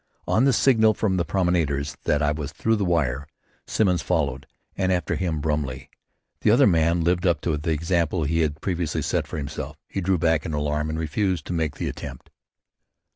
On the signal from the promenaders that I was through the wire, Simmons followed, and after him, Brumley. The other man lived up to the example he had previously set himself. He drew back in alarm and refused to make the attempt.